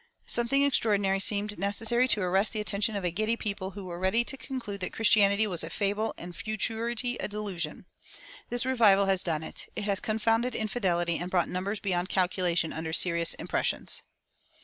Something extraordinary seemed necessary to arrest the attention of a giddy people who were ready to conclude that Christianity was a fable and futurity a delusion. This revival has done it. It has confounded infidelity and brought numbers beyond calculation under serious impressions."